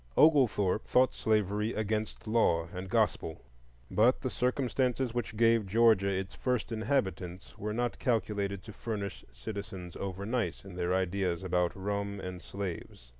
Oglethorpe thought slavery against law and gospel; but the circumstances which gave Georgia its first inhabitants were not calculated to furnish citizens over nice in their ideas about rum and slaves.